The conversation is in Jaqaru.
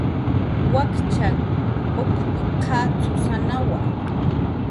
"Wakchanh ukp"" qatzusanawa"